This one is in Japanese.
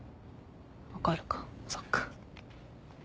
分かるかそっか。